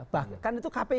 bahkan itu kpi